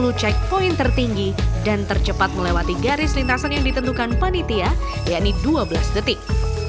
sepuluh checkpoin tertinggi dan tercepat melewati garis lintasan yang ditentukan panitia yakni dua belas detik